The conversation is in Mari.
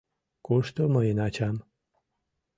Кушто мыйын ачам?